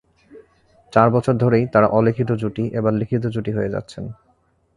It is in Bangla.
চার বছর ধরেই তাঁরা অলিখিত জুটি, এবার লিখিত জুটি হয়ে যাচ্ছেন।